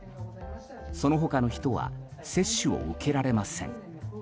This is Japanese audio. その他の人は接種を受けられません。